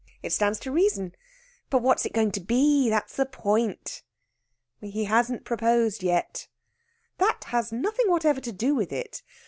It stands to reason. But what's it going to be? That's the point." "He hasn't proposed yet." "That has nothing whatever to do with it.